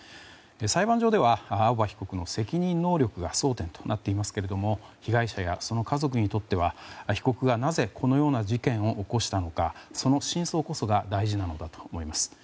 裁判上では青葉被告の責任能力が争点となっていますけれども被害者や、その家族にとっては被告がなぜこのような事件を起こしたのかその真相こそが大事なのだと思います。